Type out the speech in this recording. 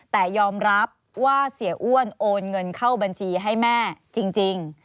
แต่ยอมรับว่าเสียอ้วนโอนเงินเข้าบัญชีให้แม่จริง